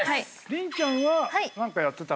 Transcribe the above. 麟ちゃんは何かやってた？